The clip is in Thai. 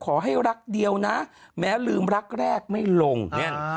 ขอให้รักเดียวนะแม้ลืมรักแรกไม่ลงแน่น